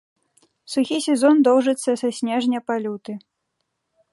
Сухі сезон доўжыцца са снежня па люты.